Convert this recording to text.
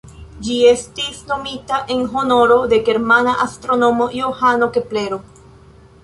Ĝi estis nomita en honoro de la germana astronomo Johano Keplero.